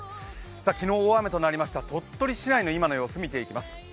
昨日、大雨となりました鳥取市内の今の様子を見ていきます。